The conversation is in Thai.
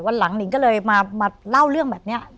หลังหนิงก็เลยมาเล่าเรื่องแบบนี้